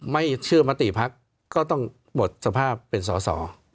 ไม่เชื่อมติภักดิ์ก็ต้องหมดสภาพเป็นสอสอ